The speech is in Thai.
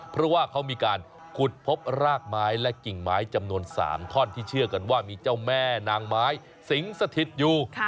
เพราะว่าเขามีการขุดพบรากไม้และกิ่งไม้จำนวน๓ท่อนที่เชื่อกันว่ามีเจ้าแม่นางไม้สิงสถิตอยู่